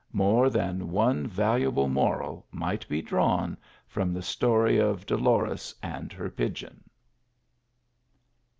More than one valuable moral might be drawn from the story of Dolores and her pigeon.